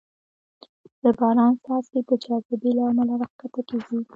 د باران څاڅکې د جاذبې له امله راښکته کېږي.